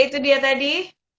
ya itu dia tadi